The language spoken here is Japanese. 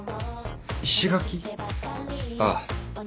ああ。